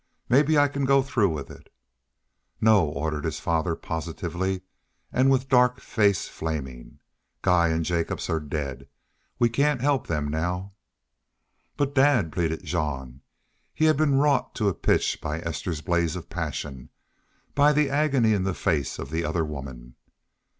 Maybe I can go through with it." "No!" ordered his father, positively, and with dark face flaming. "Guy an' Jacobs are dead. We cain't help them now." "But, dad " pleaded Jean. He had been wrought to a pitch by Esther's blaze of passion, by the agony in the face of the other woman.